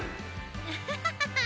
アハハハ